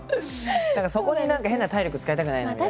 そこに何か変な体力使いたくないなみたいな。